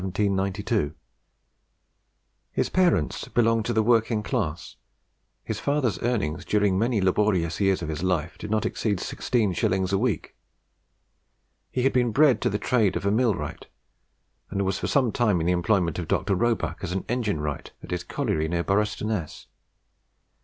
His parents belonged to the working class. His father's earnings during many laborious years of his life did not exceed sixteen shillings a week. He had been bred to the trade of a mill wright, and was for some time in the employment of Dr. Roebuck as an engine wright at his colliery near Boroughstoness.